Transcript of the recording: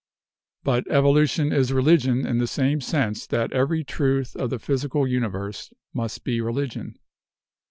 But evolution is religion in the same sense that every truth of the physical universe must be religion.